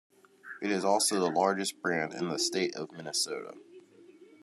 It is also the largest band in the state of Minnesota.